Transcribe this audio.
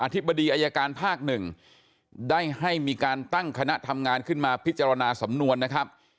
ธิบดีอายการภาคหนึ่งได้ให้มีการตั้งคณะทำงานขึ้นมาพิจารณาสำนวนนะครับ